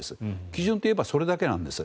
基準といえばそれだけなんです。